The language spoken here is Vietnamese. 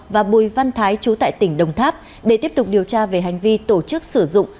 và bùi văn thái trú tại tỉnh đồng tháp để tiếp tục điều tra về hành vi tổ chức sử dụng